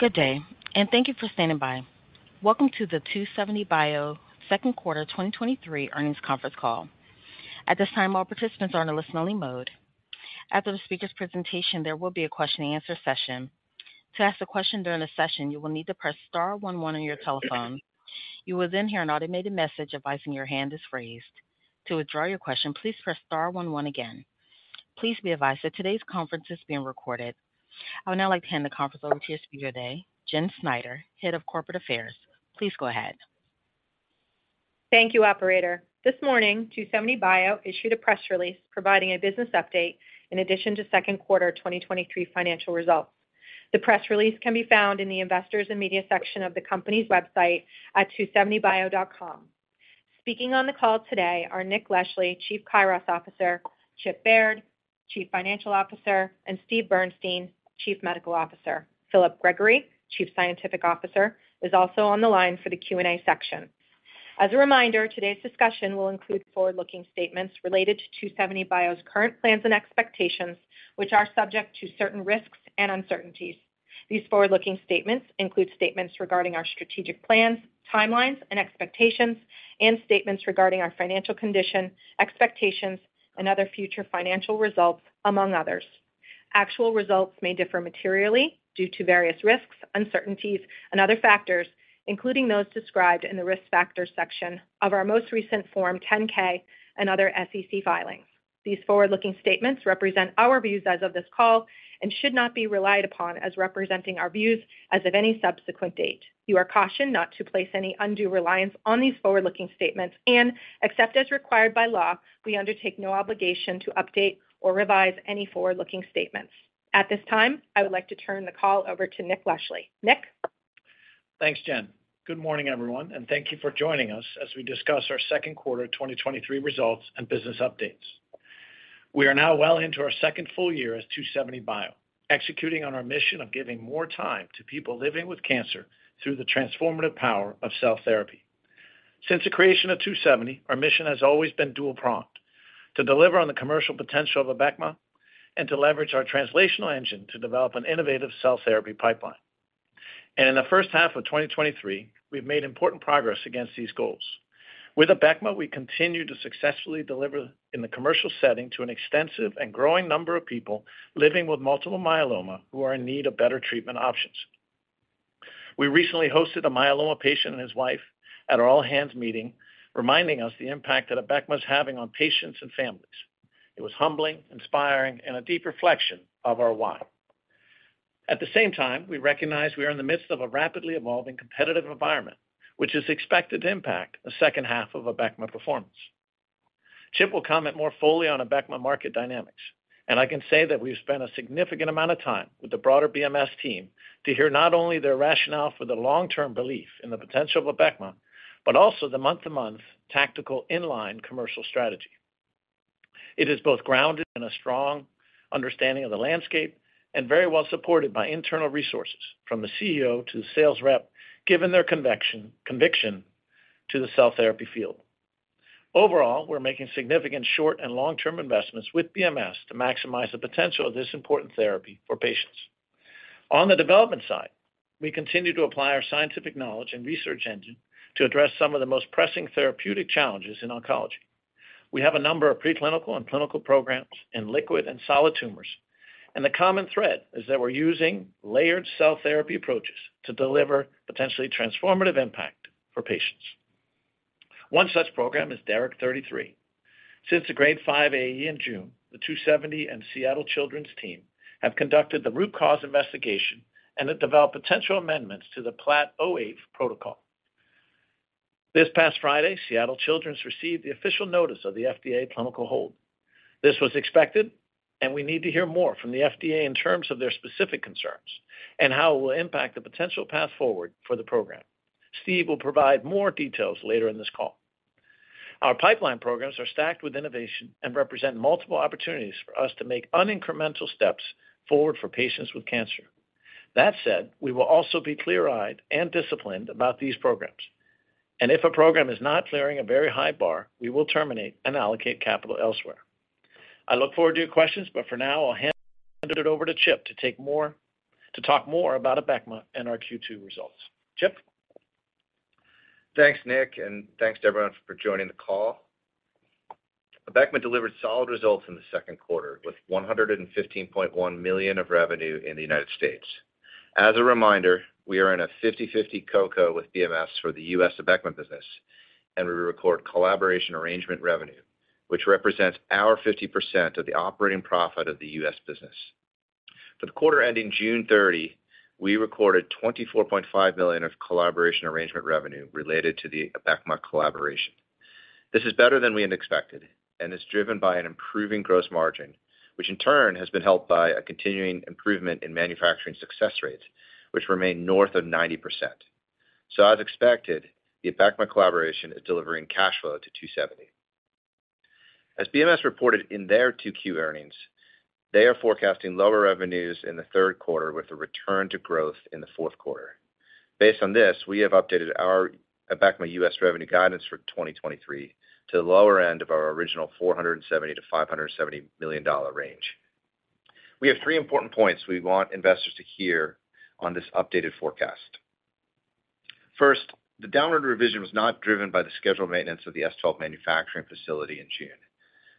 Good day, and thank you for standing by. Welcome to the 2seventy bio Second Quarter 2023 Earnings Conference Call. At this time, all participants are in a listen-only mode. After the speaker's presentation, there will be a question-and-answer session. To ask a question during the session, you will need to press star one one on your telephone. You will then hear an automated message advising your hand is raised. To withdraw your question, please press star one one again. Please be advised that today's conference is being recorded. I would now like to hand the conference over to your speaker today, Jenn Snyder, Head of Corporate Affairs. Please go ahead. Thank you, operator. This morning, 2seventy bio issued a press release providing a business update in addition to second quarter 2023 financial results. The press release can be found in the Investors and Media section of the company's website at 2seventybio.com. Speaking on the call today are Nick Leschly, Chief Kairos Officer, Chip Baird, Chief Financial Officer, and Steve Bernstein, Chief Medical Officer. Philip Gregory, Chief Scientific Officer, is also on the line for the Q&A section. As a reminder, today's discussion will include forward-looking statements related to 2seventy bio's current plans and expectations, which are subject to certain risks and uncertainties. These forward-looking statements include statements regarding our strategic plans, timelines and expectations, and statements regarding our financial condition, expectations, and other future financial results, among others. Actual results may differ materially due to various risks, uncertainties, and other factors, including those described in the Risk Factors section of our most recent Form 10-K and other SEC filings. These forward-looking statements represent our views as of this call and should not be relied upon as representing our views as of any subsequent date. You are cautioned not to place any undue reliance on these forward-looking statements, and except as required by law, we undertake no obligation to update or revise any forward-looking statements. At this time, I would like to turn the call over to Nick Leschly. Nick? Thanks, Jenn. Good morning, everyone, thank you for joining us as we discuss our second quarter 2023 results and business updates. We are now well into our second full year as 2seventy bio, executing on our mission of giving more time to people living with cancer through the transformative power of cell therapy. Since the creation of 2seventy, our mission has always been dual-pronged: to deliver on the commercial potential of Abecma and to leverage our translational engine to develop an innovative cell therapy pipeline. In the first half of 2023, we've made important progress against these goals. With Abecma, we continue to successfully deliver in the commercial setting to an extensive and growing number of people living with multiple myeloma who are in need of better treatment options. We recently hosted a myeloma patient and his wife at our all-hands meeting, reminding us the impact that Abecma is having on patients and families. It was humbling, inspiring, and a deep reflection of our why. At the same time, we recognize we are in the midst of a rapidly evolving competitive environment, which is expected to impact the second half of Abecma performance. Chip will comment more fully on Abecma market dynamics. I can say that we've spent a significant amount of time with the broader BMS team to hear not only their rationale for the long-term belief in the potential of Abecma, but also the month-to-month tactical in-line commercial strategy. It is both grounded in a strong understanding of the landscape and very well supported by internal resources, from the CEO to the sales rep, given their conviction to the cell therapy field. Overall, we're making significant short and long-term investments with BMS to maximize the potential of this important therapy for patients. On the development side, we continue to apply our scientific knowledge and research engine to address some of the most pressing therapeutic challenges in oncology. We have a number of preclinical and clinical programs in liquid and solid tumors, and the common thread is that we're using layered cell therapy approaches to deliver potentially transformative impact for patients. One such program is DARIC 33. Since the Grade 5 AE in June, the 2seventy and Seattle Children's team have conducted the root cause investigation and have developed potential amendments to the PLAT-08 protocol. This past Friday, Seattle Children's received the official notice of the FDA clinical hold. This was expected, we need to hear more from the FDA in terms of their specific concerns and how it will impact the potential path forward for the program. Steve will provide more details later in this call. Our pipeline programs are stacked with innovation and represent multiple opportunities for us to make unincremental steps forward for patients with cancer. That said, we will also be clear-eyed and disciplined about these programs, and if a program is not clearing a very high bar, we will terminate and allocate capital elsewhere. I look forward to your questions, but for now, I'll hand it over to Chip to talk more about Abecma and our Q2 results. Chip? Thanks, Nick, thanks to everyone for joining the call. Abecma delivered solid results in the second quarter, with $115.1 million of revenue in the U.S. As a reminder, we are in a 50/50 co-co with BMS for the U.S. Abecma business, and we record collaborative arrangement revenue, which represents our 50% of the operating profit of the U.S. business. For the quarter ending June 30, we recorded $24.5 million of collaborative arrangement revenue related to the Abecma collaboration. This is better than we had expected and is driven by an improving gross margin, which in turn has been helped by a continuing improvement in manufacturing success rates, which remain north of 90%. As expected, the Abecma collaboration is delivering cash flow to Two Seventy. As BMS reported in their 2Q earnings, they are forecasting lower revenues in the third quarter with a return to growth in the fourth quarter. Based on this, we have updated our Abecma U.S. revenue guidance for 2023 to the lower end of our original $470 million-$570 million range. We have three important points we want investors to hear on this updated forecast. First, the downward revision was not driven by the scheduled maintenance of the S12 manufacturing facility in June.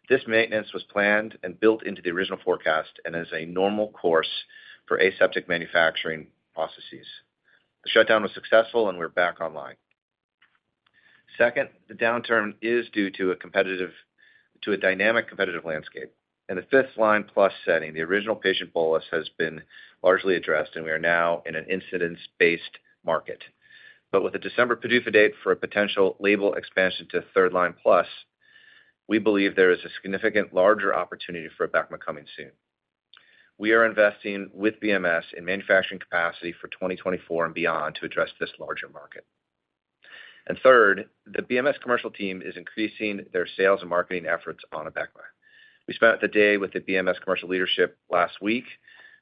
This maintenance was planned and built into the original forecast and is a normal course for aseptic manufacturing processes. The shutdown was successful, and we're back online. Second, the downturn is due to a dynamic competitive landscape. In the fifth line plus setting, the original patient bolus has been largely addressed, and we are now in an incidence-based market. With a December PDUFA date for a potential label expansion to third line plus, we believe there is a significant larger opportunity for Abecma coming soon. We are investing with BMS in manufacturing capacity for 2024 and beyond to address this larger market. Third, the BMS commercial team is increasing their sales and marketing efforts on Abecma. We spent the day with the BMS commercial leadership last week,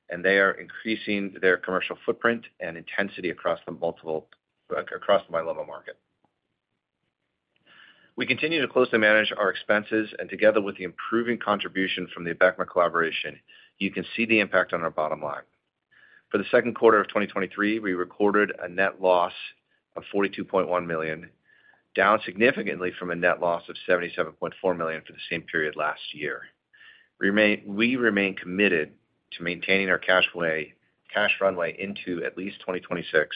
and they are increasing their commercial footprint and intensity across the multiple across myeloma market. We continue to closely manage our expenses, and together with the improving contribution from the Abecma collaboration, you can see the impact on our bottom line. For the second quarter of 2023, we recorded a net loss of $42.1 million, down significantly from a net loss of $77.4 million for the same period last year. We remain committed to maintaining our cash runway into at least 2026,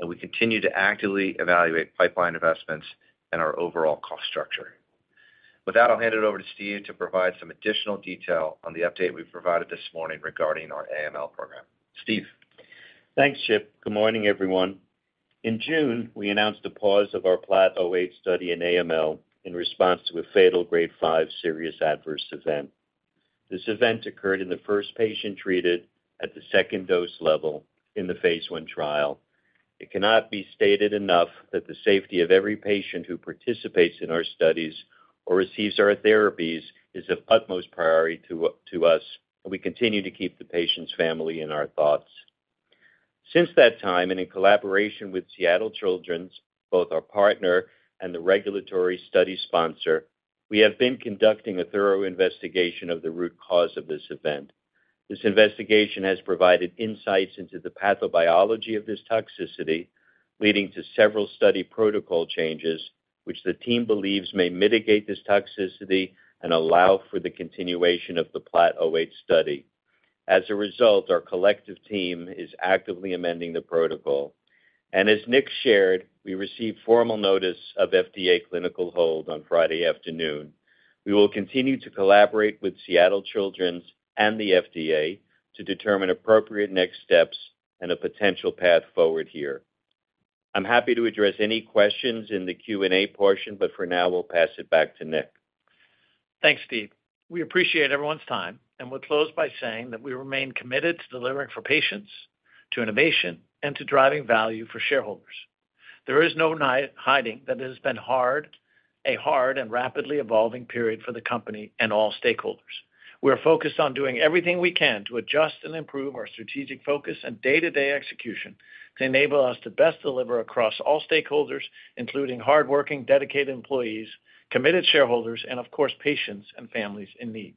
and we continue to actively evaluate pipeline investments and our overall cost structure. With that, I'll hand it over to Steve to provide some additional detail on the update we've provided this morning regarding our AML program. Steve? Thanks, Chip. Good morning, everyone. In June, we announced a pause of our PLAT-08 study in AML in response to a fatal Grade 5 serious adverse event. This event occurred in the first patient treated at the second dose level in the Phase 1 trial. It cannot be stated enough that the safety of every patient who participates in our studies or receives our therapies is of utmost priority to us, and we continue to keep the patient's family in our thoughts. Since that time, and in collaboration with Seattle Children's, both our partner and the regulatory study sponsor, we have been conducting a thorough investigation of the root cause of this event. This investigation has provided insights into the pathobiology of this toxicity, leading to several study protocol changes, which the team believes may mitigate this toxicity and allow for the continuation of the PLAT-08 study. As a result, our collective team is actively amending the protocol. As Nick shared, we received formal notice of FDA clinical hold on Friday afternoon. We will continue to collaborate with Seattle Children's and the FDA to determine appropriate next steps and a potential path forward here. I'm happy to address any questions in the Q&A portion. For now, we'll pass it back to Nick. Thanks, Steve. We appreciate everyone's time, and we'll close by saying that we remain committed to delivering for patients, to innovation, and to driving value for shareholders. There is no hiding that it has been hard, a hard and rapidly evolving period for the company and all stakeholders. We are focused on doing everything we can to adjust and improve our strategic focus and day-to-day execution to enable us to best deliver across all stakeholders, including hardworking, dedicated employees, committed shareholders, and of course, patients and families in need.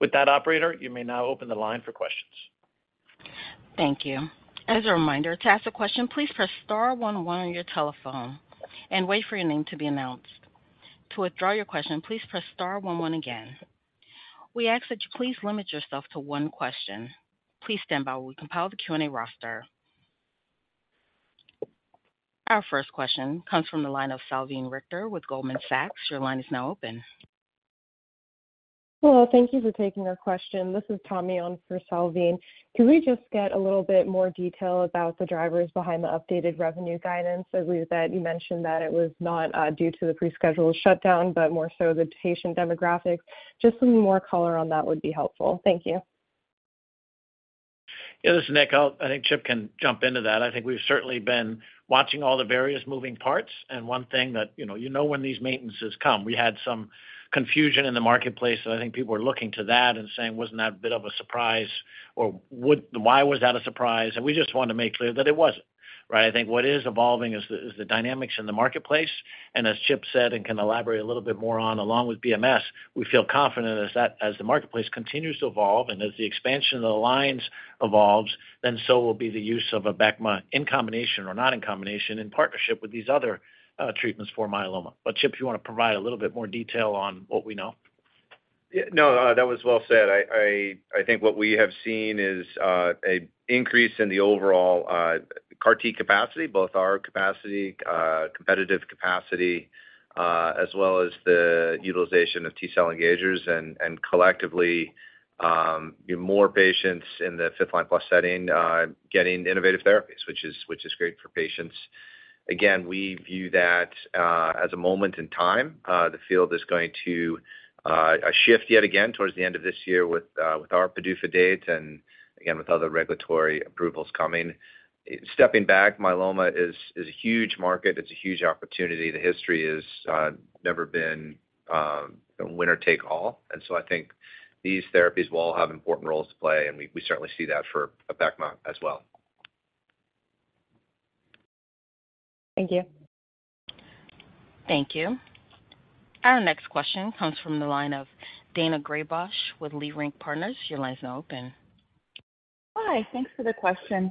With that, operator, you may now open the line for questions. Thank you. As a reminder, to ask a question, please press star one one on your telephone and wait for your name to be announced. To withdraw your question, please press star one one again. We ask that you please limit yourself to one question. Please stand by while we compile the Q&A roster. Our first question comes from the line of Salveen Richter with Goldman Sachs. Your line is now open. Hello. Thank you for taking our question. This is Tommy on for Salveen. Can we just get a little bit more detail about the drivers behind the updated revenue guidance? I believe that you mentioned that it was not due to the prescheduled shutdown, but more so the patient demographics. Just some more color on that would be helpful. Thank you. Yeah, this is Nick. I'll I think Chip can jump into that. I think we've certainly been watching all the various moving parts, One thing that, you know, you know when these maintenances come. We had some confusion in the marketplace, so I think people are looking to that and saying: "Wasn't that a bit of a surprise?" "Why was that a surprise?" We just wanted to make clear that it wasn't, right. I think what is evolving is the dynamics in the marketplace, and as Chip said, and can elaborate a little bit more on, along with BMS, we feel confident as that as the marketplace continues to evolve and as the expansion of the lines evolves, so will be the use of Abecma in combination or not in combination, in partnership with these other treatments for myeloma. Chip, you want to provide a little bit more detail on what we know? Yeah. No, that was well said. I, I, I think what we have seen is a increase in the overall CAR T capacity, both our capacity, competitive capacity, as well as the utilization of T-cell engagers, and, and collectively, more patients in the fifth line- plus setting, getting innovative therapies, which is, which is great for patients. Again, we view that as a moment in time. The field is going to shift yet again towards the end of this year with our PDUFA date and again, with other regulatory approvals coming. Stepping back, myeloma is, is a huge market. It's a huge opportunity. The history has never been a winner take all, and so I think these therapies will all have important roles to play, and we, we certainly see that for Abecma as well. Thank you. Thank you. Our next question comes from the line of Daina Graybosch with Leerink Partners. Your line is now open. Hi, thanks for the question.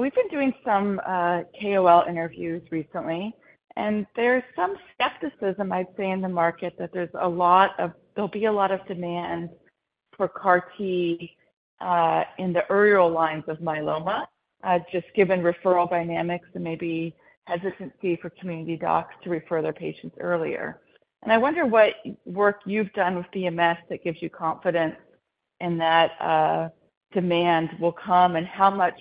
We've been doing some KOL interviews recently, and there's some skepticism, I'd say, in the market, that there'll be a lot of demand for CAR T in the earlier lines of myeloma, just given referral dynamics and maybe hesitancy for community docs to refer their patients earlier. I wonder what work you've done with BMS that gives you confidence in that demand will come, and how much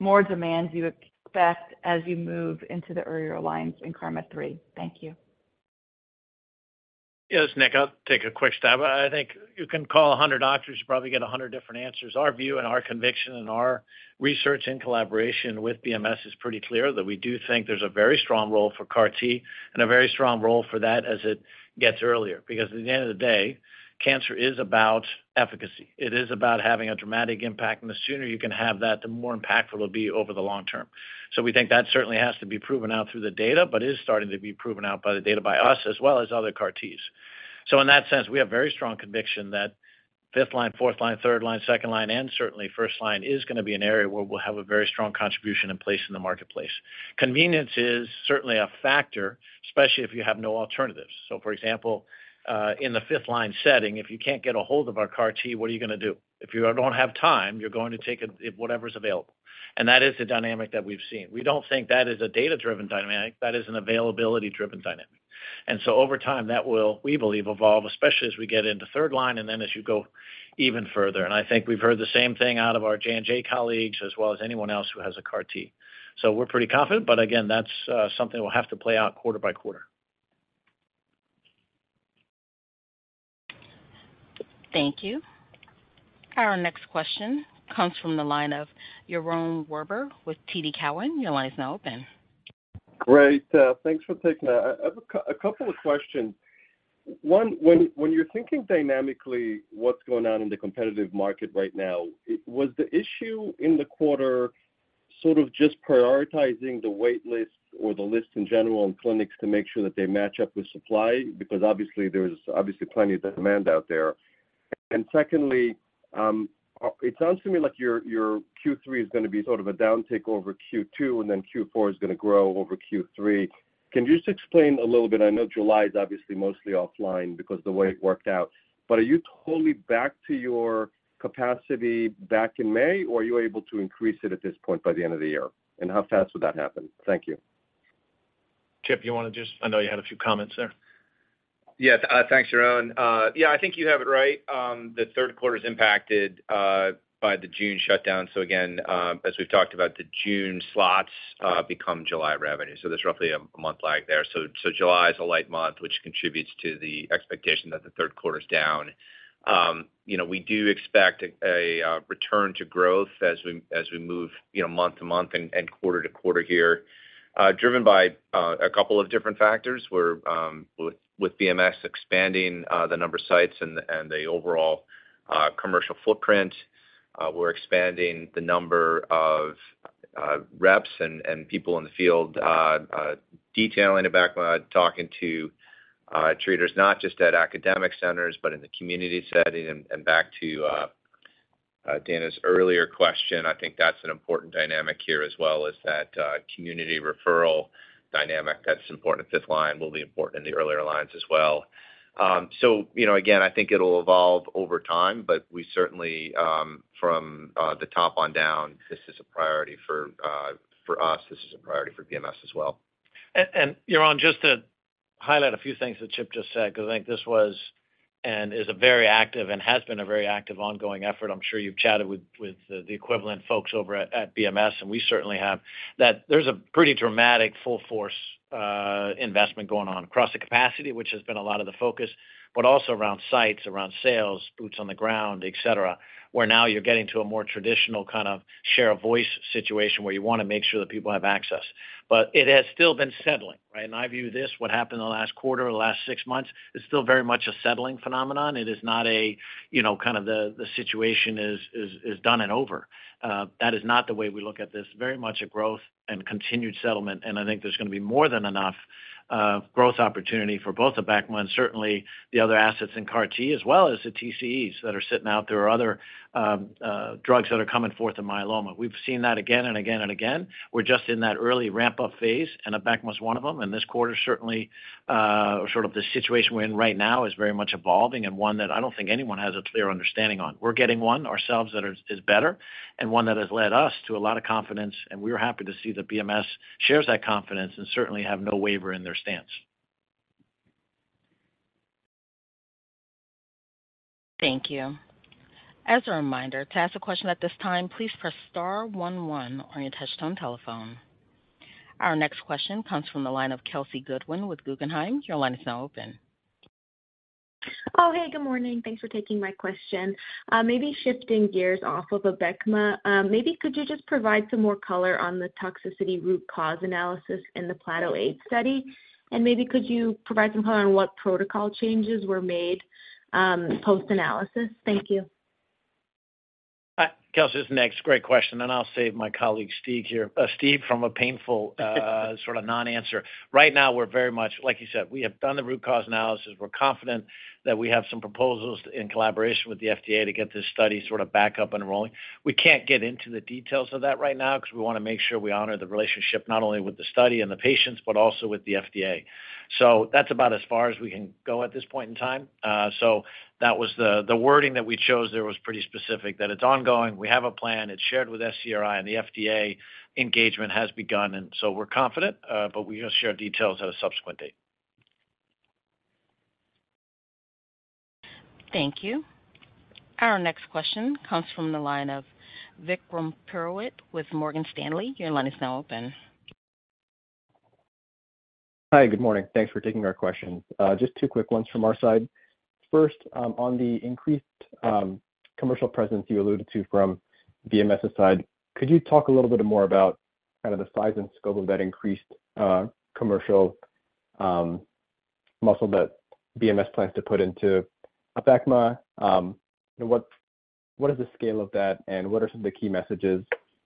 more demand do you expect as you move into the earlier lines in KarMMa-3? Thank you. Yes, Nick, I'll take a quick stab. I think you can call 100 doctors, you probably get 100 different answers. Our view and our conviction and our research in collaboration with BMS is pretty clear that we do think there's a very strong role for CAR T and a very strong role for that as it gets earlier. At the end of the day, cancer is about efficacy. It is about having a dramatic impact, and the sooner you can have that, the more impactful it'll be over the long term. We think that certainly has to be proven out through the data, but it is starting to be proven out by the data by us as well as other CAR Ts. In that sense, we have very strong conviction that fifth line, fourth line, third line, second line, and certainly first line is gonna be an area where we'll have a very strong contribution in place in the marketplace. Convenience is certainly a factor, especially if you have no alternatives. For example, in the fifth line setting, if you can't get a hold of our CAR T, what are you gonna do? If you don't have time, you're going to take whatever is available. That is the dynamic that we've seen. We don't think that is a data-driven dynamic. That is an availability-driven dynamic. Over time, that will, we believe, evolve, especially as we get into third line and then as you go even further. I think we've heard the same thing out of our J&J colleagues, as well as anyone else who has a CAR T. We're pretty confident, but again, that's something we'll have to play out quarter by quarter. Thank you. Our next question comes from the line of Yaron Werber with TD Cowen. Your line is now open. Great, thanks for taking that. I have 2 questions. 1, when, when you're thinking dynamically, what's going on in the competitive market right now, was the issue in the quarter sort of just prioritizing the wait list or the list in general in clinics to make sure that they match up with supply? Because obviously, there's obviously plenty of demand out there. Secondly, it sounds to me like your, your Q3 is going to be sort of a downtick over Q2, and then Q4 is going to grow over Q3. Can you just explain a little bit? I know July is obviously mostly offline because the way it worked out. Are you totally back to your capacity back in May, or are you able to increase it at this point by the end of the year? How fast would that happen? Thank you. Chip, you want to just... I know you had a few comments there. Yes, thanks, Yaron. Yeah, I think you have it right. The third quarter is impacted by the June shutdown. Again, as we've talked about, the June slots become July revenue, so there's roughly a 1 month lag there. July is a light month, which contributes to the expectation that the third quarter is down. You know, we do expect a return to growth as we, as we move, you know, month to month and quarter to quarter here, driven by a couple of different factors. We're with, with BMS expanding the number of sites and the, and the overall commercial footprint, we're expanding the number of reps and people in the field detailing about when talking to treaters, not just at academic centers, but in the community setting. Back to Daina's earlier question, I think that's an important dynamic here as well, is that community referral dynamic that's important in 5th line, will be important in the earlier lines as well. You know, again, I think it'll evolve over time, but we certainly from the top on down, this is a priority for us, this is a priority for BMS as well. Jeroen, just to highlight a few things that Chip just said, because I think this was and is a very active and has been a very active, ongoing effort. I'm sure you've chatted with, with the equivalent folks over at, at BMS, and we certainly have, that there's a pretty dramatic full force investment going on across the capacity, which has been a lot of the focus, but also around sites, around sales, boots on the ground, etc., where now you're getting to a more traditional kind of share a voice situation where you want to make sure that people have access. It has still been settling, right? In my view, this, what happened in the last quarter or the last six months, is still very much a settling phenomenon. It is not a, you know, kind of the, the situation is, is, is done and over. That is not the way we look at this. Very much a growth and continued settlement, and I think there's gonna be more than enough growth opportunity for both the Abecma and certainly the other assets in CAR T, as well as the TCEs that are sitting out there, or other drugs that are coming forth in myeloma. We've seen that again and again and again. We're just in that early ramp-up phase, and Abecma is one of them. This quarter, certainly, sort of the situation we're in right now is very much evolving and one that I don't think anyone has a clear understanding on. We're getting one ourselves that is, is better and one that has led us to a lot of confidence, and we're happy to see that BMS shares that confidence and certainly have no waiver in their stance. Thank you. As a reminder, to ask a question at this time, please press star 1 1 on your touch tone telephone. Our next question comes from the line of Kelsey Goodwin with Guggenheim. Your line is now open. Oh, hey, good morning. Thanks for taking my question. maybe shifting gears off of Abecma, maybe could you just provide some more color on the toxicity root cause analysis in the PLAT-08 study? maybe could you provide some color on what protocol changes were made, post-analysis? Thank you. Hi, Kelsey, this is Nick. Great question, I'll save my colleague, Steve, here, Steve, from a painful, sort of non-answer. Right now, we're very much like you said, we have done the root cause analysis. We're confident that we have some proposals in collaboration with the FDA to get this study sort of back up and rolling. We can't get into the details of that right now because we wanna make sure we honor the relationship, not only with the study and the patients, but also with the FDA. That's about as far as we can go at this point in time. That was the, the wording that we chose there was pretty specific, that it's ongoing. We have a plan. It's shared with SCRI, and the FDA engagement has begun, and so we're confident, but we're gonna share details at a subsequent date. Thank you. Our next question comes from the line of Vikram Purohit with Morgan Stanley. Your line is now open. Hi, good morning. Thanks for taking our questions. Just two quick ones from our side. First, on the increased commercial presence you alluded to from BMS's side, could you talk a little bit more about kind of the size and scope of that increased commercial muscle that BMS plans to put into Abecma? What, what is the scale of that, and what are some of the key messages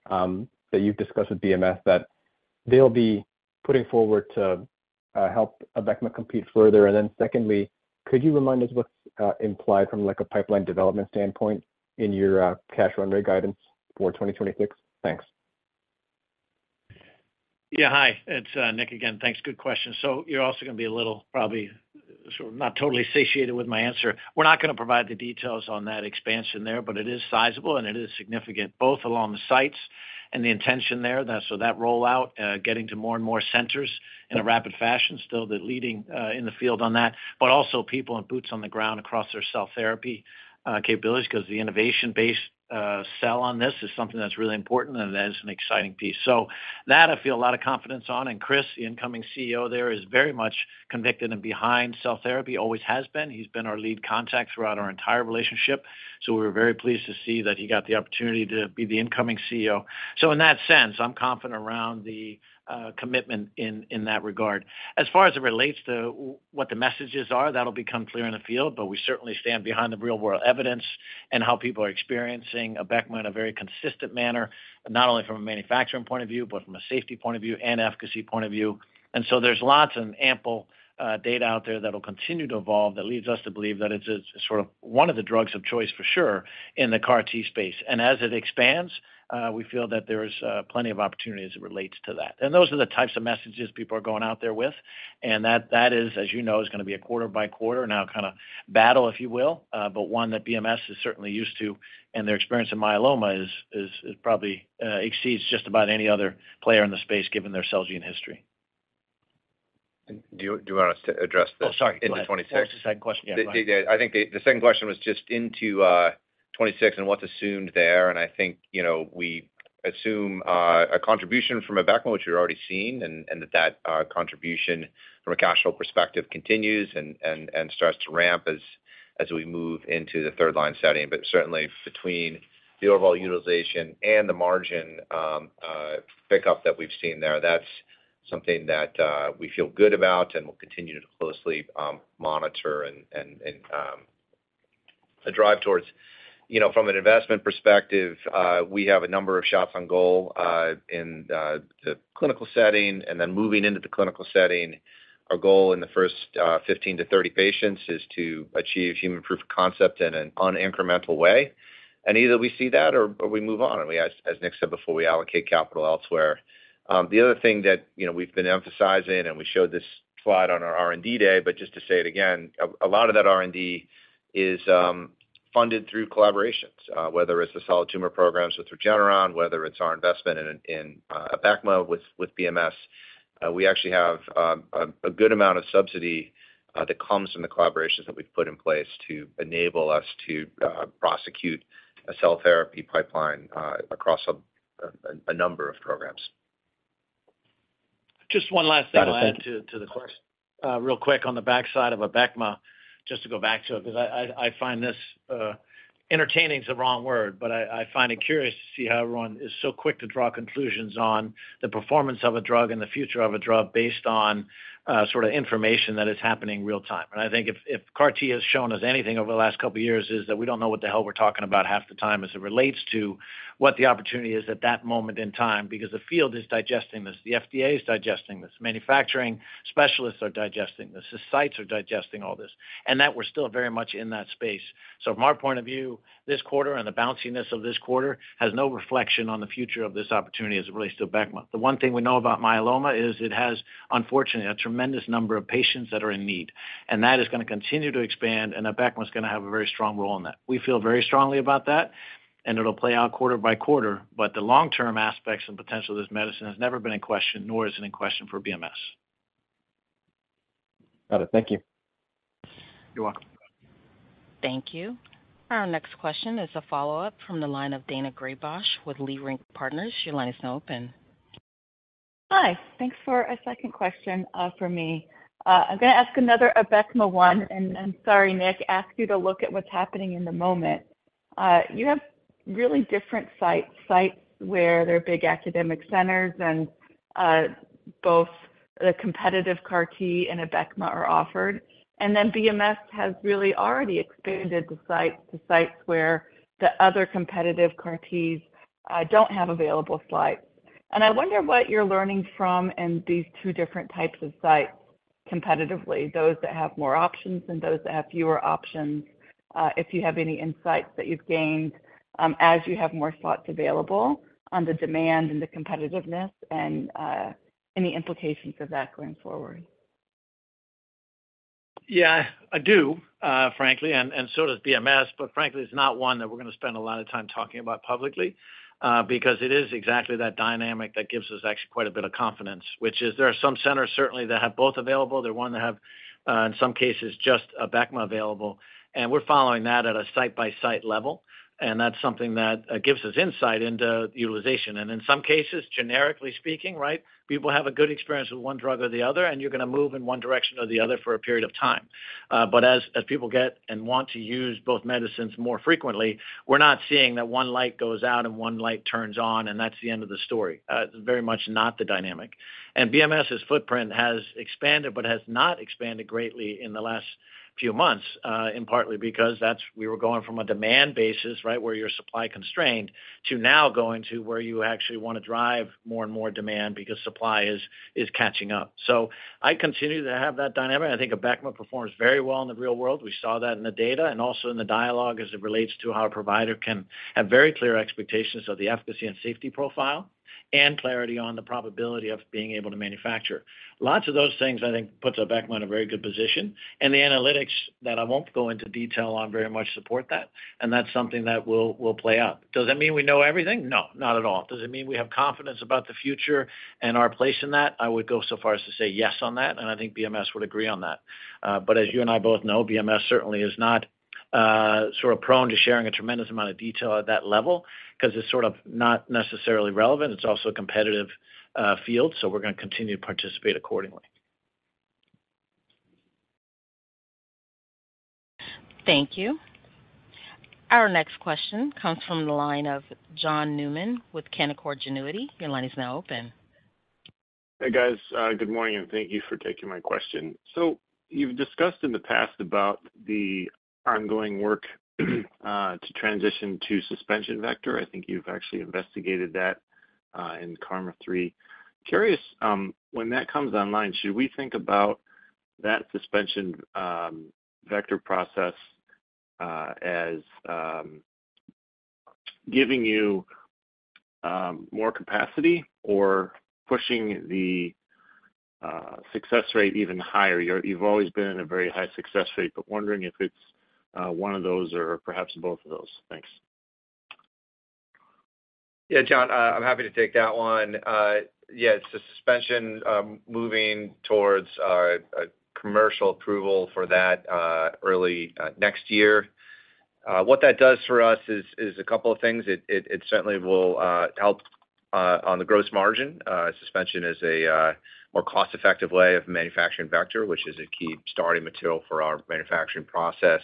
that you've discussed with BMS that they'll be putting forward to help Abecma compete further? Then secondly, could you remind us what's implied from, like, a pipeline development standpoint in your cash run rate guidance for 2026? Thanks. Yeah, hi, it's Nick again. Thanks. Good question. You're also gonna be a little, probably, sort of not totally satiated with my answer. We're not gonna provide the details on that expansion there, but it is sizable, and it is significant, both along the sites and the intention there. That rollout, getting to more and more centers in a rapid fashion, still the leading in the field on that, but also people and boots on the ground across their cell therapy capabilities, 'cause the innovation-based sell on this is something that's really important and that is an exciting piece. That I feel a lot of confidence on, and Chris, the incoming CEO there, is very much convicted and behind cell therapy, always has been. He's been our lead contact throughout our entire relationship, so we're very pleased to see that he got the opportunity to be the incoming CEO. In that sense, I'm confident around the commitment in, in that regard. As far as it relates to w- what the messages are, that'll become clear in the field, but we certainly stand behind the real-world evidence and how people are experiencing Abecma in a very consistent manner, not only from a manufacturing point of view, but from a safety point of view and efficacy point of view. There's lots and ample data out there that will continue to evolve, that leads us to believe that it's a, sort of, one of the drugs of choice for sure in the CAR T space. As it expands, we feel that there's plenty of opportunity as it relates to that. Those are the types of messages people are going out there with, and that, that is, as you know, is gonna be a quarter by quarter now kind of battle, if you will, but one that BMS is certainly used to, and their experience in myeloma is, is, is probably exceeds just about any other player in the space, given their Celgene history. Do you, do you want us to address the- Oh, sorry. Into 2026? What was the second question again? The second question was just into 2026 and what's assumed there, and I think, you know, we assume a contribution from Abecma, which we've already seen, and that contribution from a cash flow perspective continues and starts to ramp as we move into the third line setting. Certainly, between the overall utilization and the margin pick up that we've seen there, that's something that we feel good about and we'll continue to closely monitor and drive towards. You know, from an investment perspective, we have a number of shots on goal in the clinical setting, and then moving into the clinical setting, our goal in the first 15-30 patients is to achieve human proof of concept in an on incremental way. Either we see that or, or we move on, and we, as Nick said before, we allocate capital elsewhere. The other thing that, you know, we've been emphasizing, and we showed this slide on our R&D day, but just to say it again, a lot of that R&D is funded through collaborations, whether it's the solid tumor programs with Regeneron, whether it's our investment in, in Abecma with, with BMS, we actually have a good amount of subsidy that comes from the collaborations that we've put in place to enable us to prosecute a cell therapy pipeline across a number of programs. Just one last thing I'll add to, to the question. Of course. Real quick on the backside of Abecma, just to go back to it, because I, I, I find this, entertaining is the wrong word, but I, I find it curious to see how everyone is so quick to draw conclusions on the performance of a drug and the future of a drug based on, sort of information that is happening real time. And I think if, if CAR T has shown us anything over the last couple of years, is that we don't know what the hell we're talking about half the time as it relates to what the opportunity is at that moment in time, because the field is digesting this, the FDA is digesting this, manufacturing specialists are digesting this, the sites are digesting all this, and that we're still very much in that space. From our point of view, this quarter and the bounciness of this quarter has no reflection on the future of this opportunity as it relates to Abecma. The one thing we know about myeloma is it has, unfortunately, a tremendous number of patients that are in need, and that is gonna continue to expand, and Abecma is gonna have a very strong role in that. We feel very strongly about that, and it'll play out quarter by quarter, but the long-term aspects and potential of this medicine has never been in question, nor is it in question for BMS. Got it. Thank you. You're welcome. Thank you. Our next question is a follow-up from the line of Daina Graybosch with Leerink Partners. Your line is now open. Hi. Thanks for a second question, from me. I'm gonna ask another Abecma one. I'm sorry, Nick, ask you to look at what's happening in the moment. You have really different sites, sites where there are big academic centers and... both the competitive CAR T and Abecma are offered. BMS has really already expanded the site to sites where the other competitive CAR Ts don't have available slides. I wonder what you're learning from in these two different types of sites competitively, those that have more options and those that have fewer options, if you have any insights that you've gained, as you have more slots available on the demand and the competitiveness and any implications of that going forward? Yeah, I do, frankly, so does BMS, frankly, it's not one that we're gonna spend a lot of time talking about publicly, because it is exactly that dynamic that gives us actually quite a bit of confidence, which is there are some centers certainly that have both available. There are 1 that have, in some cases, just Abecma available, we're following that at a site-by-site level, that's something that gives us insight into utilization. In some cases, generically speaking, right? People have a good experience with 1 drug or the other, you're gonna move in 1 direction or the other for a period of time. As, as people get and want to use both medicines more frequently, we're not seeing that 1 light goes out and 1 light turns on, that's the end of the story. Very much not the dynamic. BMS's footprint has expanded but has not expanded greatly in the last few months, and partly because we were going from a demand basis, right, where you're supply constrained, to now going to where you actually wanna drive more and more demand because supply is, is catching up. I continue to have that dynamic. I think Abecma performs very well in the real world. We saw that in the data and also in the dialogue as it relates to how a provider can have very clear expectations of the efficacy and safety profile, and clarity on the probability of being able to manufacture. Lots of those things, I think, puts Abecma in a very good position, and the analytics, that I won't go into detail on, very much support that, and that's something that will, will play out. Does that mean we know everything? No, not at all. Does it mean we have confidence about the future and our place in that? I would go so far as to say yes on that, and I think BMS would agree on that. As you and I both know, BMS certainly is not, sort of prone to sharing a tremendous amount of detail at that level because it's sort of not necessarily relevant. It's also a competitive, field, so we're gonna continue to participate accordingly. Thank you. Our next question comes from the line of John Newman with Canaccord Genuity. Your line is now open. Hey, guys, good morning, and thank you for taking my question. You've discussed in the past about the ongoing work to transition to suspension vector. I think you've actually investigated that in KarMMa-3. Curious, when that comes online, should we think about that suspension vector process as giving you more capacity or pushing the success rate even higher? You've always been a very high success rate, but wondering if it's one of those or perhaps both of those. Thanks. Yeah, John, I'm happy to take that one. Yeah, it's the suspension, moving towards a commercial approval for that early next year. What that does for us is 2 things. It, it, it certainly will help on the gross margin. Suspension is a more cost-effective way of manufacturing vector, which is a key starting material for our manufacturing process.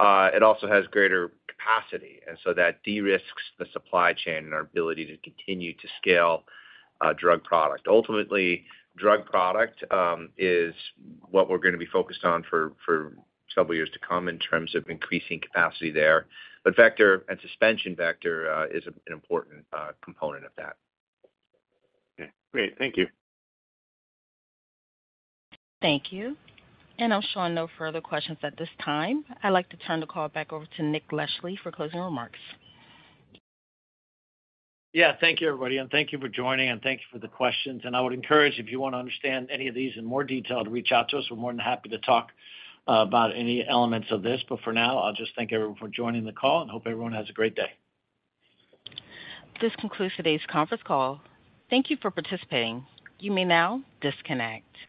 It also has greater capacity, so that de-risks the supply chain and our ability to continue to scale drug product. Ultimately, drug product is what we're gonna be focused on for several years to come in terms of increasing capacity there. Vector and suspension vector is an important component of that. Okay, great. Thank you. Thank you. I'm showing no further questions at this time. I'd like to turn the call back over to Nick Leschly for closing remarks. Yeah, thank you, everybody, and thank you for joining, and thank you for the questions. I would encourage, if you wanna understand any of these in more detail, to reach out to us. We're more than happy to talk about any elements of this. For now, I'll just thank everyone for joining the call and hope everyone has a great day. This concludes today's conference call. Thank you for participating. You may now disconnect.